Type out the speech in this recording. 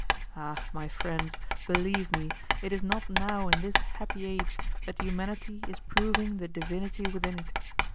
Ah, my friends, believe me, it is not now in this happy age that humanity is proving the divinity within it.